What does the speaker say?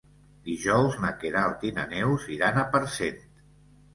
Dijous na Queralt i na Neus iran a Parcent.